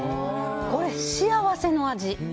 これ、幸せの味。